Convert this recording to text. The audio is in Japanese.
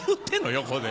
横で。